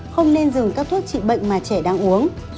không nên dừng các thuốc trị bệnh mà trẻ đang uống